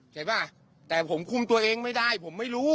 ใช่ป่ะแต่ผมคุมตัวเองไม่ได้ผมไม่รู้